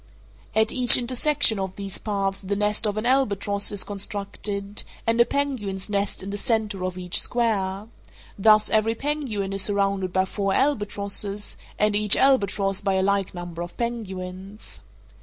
At each intersection of these paths the nest of an albatross is constructed, and a penguin's nest in the centre of each square—thus every penguin is surrounded by four albatrosses, and each albatross by a like number of penguins.